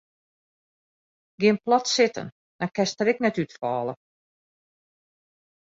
Gean plat sitten dan kinst der ek net útfalle.